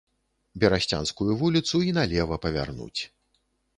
Берасцянскую вуліцу і налева павярнуць.